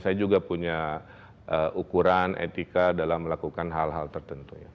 saya juga punya ukuran etika dalam melakukan hal hal tertentu ya